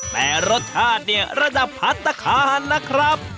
แต่รสชาติเนี่ยระดับพัฒนาคารนะครับ